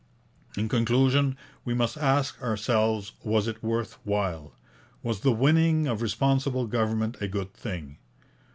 In conclusion we must ask ourselves, was it worth while? Was the winning of Responsible Government a good thing?